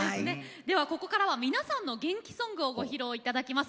ではここからは皆さんの元気ソングをご披露頂きます。